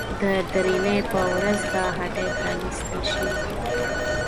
د درېنۍ په ورځ به هټۍ پرانيستل شي.